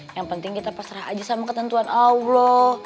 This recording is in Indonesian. yang penting kita pasrah aja sama ketentuan allah